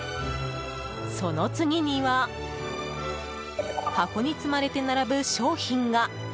その次には箱に積まれて並ぶ商品が。